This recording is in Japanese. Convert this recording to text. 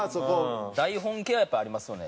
台本系はやっぱありますよね。